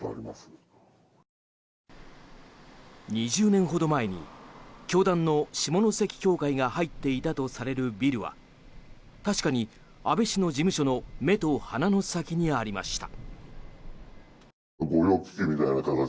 ２０年ほど前に教団の下関教会が入っていたとされるビルは確かに安倍氏の事務所の目と鼻の先にありました。